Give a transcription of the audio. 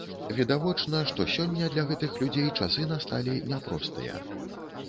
Відавочна, што сёння для гэтых людзей часы насталі няпростыя.